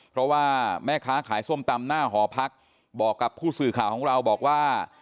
เพราะว่าแม่ค้าขายส้มตำหน้าหอพักบอกกับผู้สื่อข่าวของเราบอกว่า